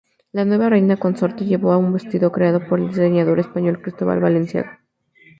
La nueva reina consorte llevó un vestido creado por el diseñador español Cristóbal Balenciaga.